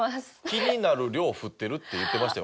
気になる量降ってるって言ってましたよ